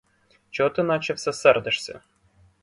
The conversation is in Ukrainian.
Чого ти наче все сердишся?